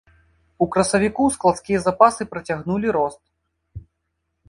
У красавіку складскія запасы працягнулі рост.